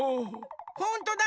ほんとだ！